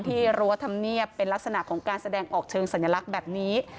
รั้วธรรมเนียบเป็นลักษณะของการแสดงออกเชิงสัญลักษณ์แบบนี้